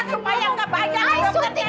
supaya gak banyak dokter